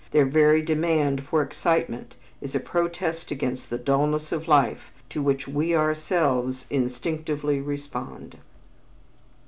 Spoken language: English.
Their very demand for excitement is a protest against the dullness of life, to which we ourselves instinctively respond.